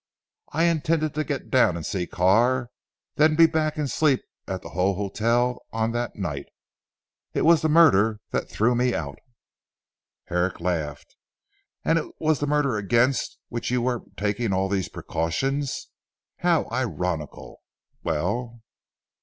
I intended to get down and see Carr, then be back and sleep at the Hull Hotel on that night. It was the murder that threw me out." Herrick laughed. "And it was the murder against which you were taking all these precautions. How ironical! Well?"